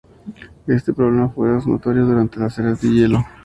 Este problema fue más notorio durante las eras de hielo.